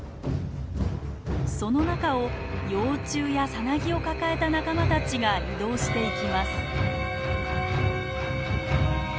その中を幼虫やさなぎを抱えた仲間たちが移動していきます。